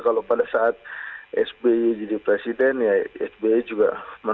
kalau pada saat sby jadi presiden ya sby juga